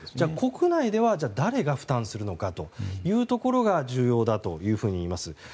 国内では誰が負担するのかというところが重要だと言います。